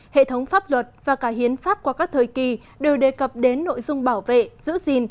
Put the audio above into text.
hệ thống pháp luật và cả hiến pháp qua các thời kỳ đều đề cập đến nội dung bảo vệ giữ gìn